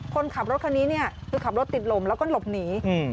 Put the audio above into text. คนขับรถคันนี้เนี่ยคือขับรถติดลมแล้วก็หลบหนี